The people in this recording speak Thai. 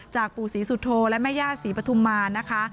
จากปู่ศรีสุโธและแม่ญาติศรีปทุมมานะคะ